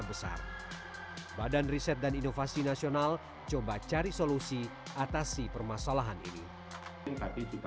besar badan riset dan inovasi nasional coba cari solusi atasi permasalahan ini tapi juga